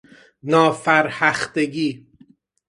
نافرهختگی